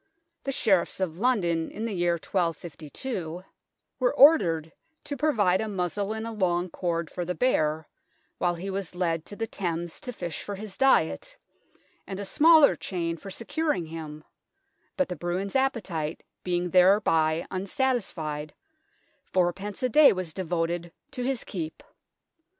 The Sheriffs of London in the year 1252 were ENTRANCE TOWERS 151 ordered to provide a muzzle and a long cord for the bear while he was led to the Thames to fish for his diet, and a smaller chain for securing him, but bruin's appetite being thereby unsatisfied, fourpence a day was devoted to his keep.